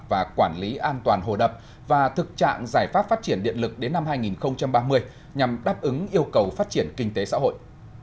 và quản lý an toàn hồ đập và thực trạng giải pháp phát triển điện lực đến năm hai nghìn ba mươi nhằm đáp ứng yêu cầu phát triển kinh tế xã hội